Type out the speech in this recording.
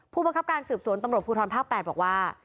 ผู้บังคับการสืบสวนตำรวจภูทรภาค๘บอกว่า